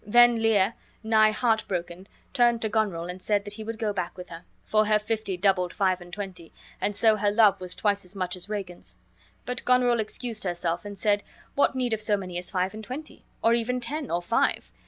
Then Lear, nigh heartbroken, turned to Goneril and said that he would go back with her, for her fifty doubled five and twenty, and so her love was twice as much as Regan's. But Goneril excused herself, and said, what need of so many as five and twenty? or even ten? or five?